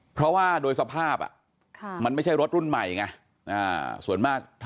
เพราะว่าโดยสภาพมันไม่ใช่รถรุ่นใหม่ไง